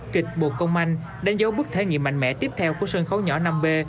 kịch bộ công anh đánh dấu bước thể nghiệm mạnh mẽ tiếp theo của sân khấu nhỏ năm b